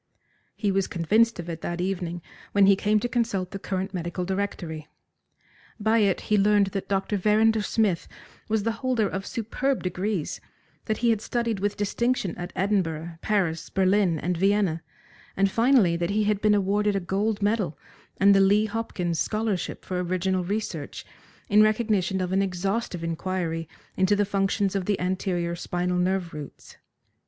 He was convinced of it that evening when he came to consult the current medical directory. By it he learned that Dr. Verrinder Smith was the holder of superb degrees, that he had studied with distinction at Edinburgh, Paris, Berlin, and Vienna, and finally that he had been awarded a gold medal and the Lee Hopkins scholarship for original research, in recognition of an exhaustive inquiry into the functions of the anterior spinal nerve roots.